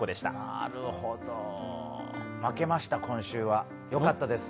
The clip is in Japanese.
負けました、今週は。よかったです。